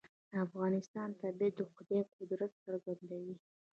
د افغانستان طبیعت د خدای قدرت څرګندوي.